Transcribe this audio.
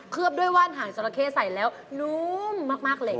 บด้วยว่านหางจราเข้ใส่แล้วนุ่มมากเลย